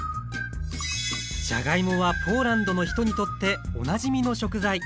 じゃがいもはポーランドの人にとっておなじみの食材。